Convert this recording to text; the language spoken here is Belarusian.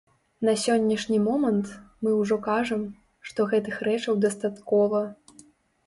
На сённяшні момант мы ўжо кажам, што гэтых рэчаў дастаткова.